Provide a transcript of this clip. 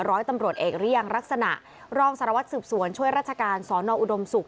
ร้อยตำรวจเอกหรือยังลักษณะรองสารวัตรสืบสวนช่วยราชการสอนออุดมศุกร์